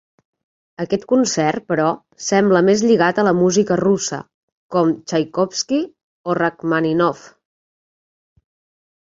Aquest concert, però, sembla més lligat a la música russa, com Txaikovski o Rakhmàninov.